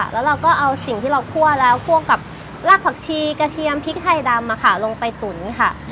แล้วเราก็เอาสิ่งที่เราคั่วแล้วคั่วกับรากผักชีกระเทียมพริกไทยดำลงไปตุ๋นค่ะ